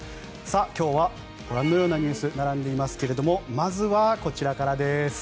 今日はご覧のようなニュースが並んでいますけどもまずはこちらからです。